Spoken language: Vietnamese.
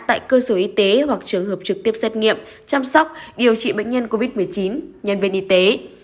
tại cơ sở y tế hoặc trường hợp trực tiếp xét nghiệm chăm sóc điều trị bệnh nhân covid một mươi chín nhân viên y tế